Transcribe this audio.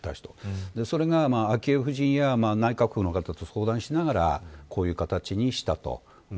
これが昭恵夫人や内閣の方と相談しながらこういう形にしたと。